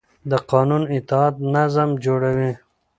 د قانون اطاعت نظم جوړوي